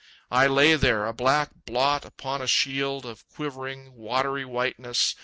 I lay there, a black blot upon a shield Of quivering, watery whiteness.